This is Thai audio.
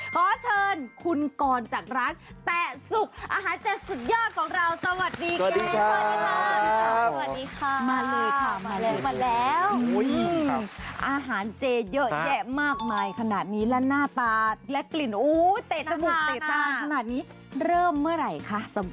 เป็นความฝันของคุณมาก